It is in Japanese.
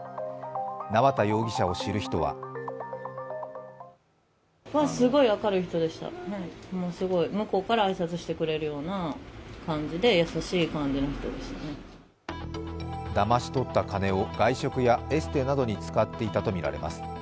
縄田容疑者を知る人はだまし取った金を外食やエステなどに使っていたとみられます。